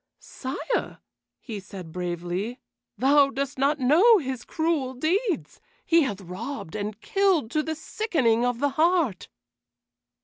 "Sire," he said bravely, "thou dost not know his cruel deeds. He hath robbed and killed to the sickening of the heart."